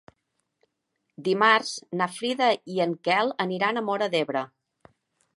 Dimarts na Frida i en Quel aniran a Móra d'Ebre.